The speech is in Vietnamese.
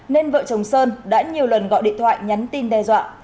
nên vợ chồng sơn đã nhiều lần gọi điện thoại nhắn tin đe dọa